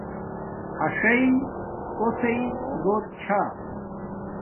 اݽݵ کوسݵ گھور چھا